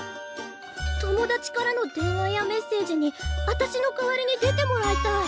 友達からの電話やメッセージにあたしの代わりに出てもらいたい。